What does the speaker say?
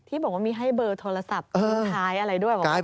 ที่บอกว่ามีให้เบอร์โทรศัพท์ทิ้งท้ายอะไรด้วยบอกว่า